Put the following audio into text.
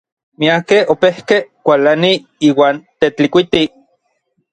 Miakej opejkej kualanij iuan Tetlikuiti.